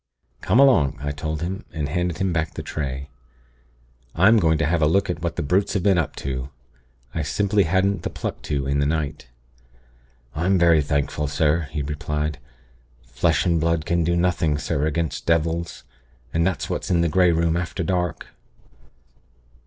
'Come along,' I told him, and handed him back the tray. 'I'm going to have a look at what the Brutes have been up to. I simply hadn't the pluck to in the night.' "'I'm very thankful, sir,' he replied. 'Flesh and blood can do nothing, sir, against devils; and that's what's in the Grey Room after dark.'